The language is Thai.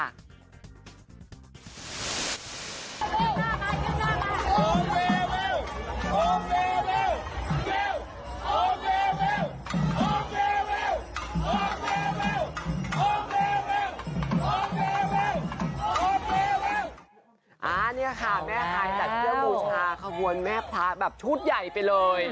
อะเนี้ยค่ะแม่ฮายจัดเจอร์โหวชาข้าววนแม่พลาสแบบชุดใหญ่ไปเลย